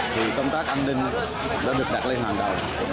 thì công tác an ninh đã được đặt lên hàng đầu